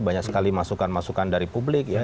banyak sekali masukan masukan dari publik ya